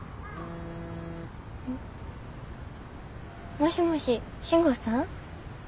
もしもし信吾さん？